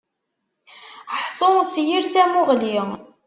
Ḥṣu s yir tamuɣli.